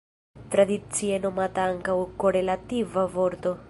Tradicie nomata ankaŭ korelativa vorto.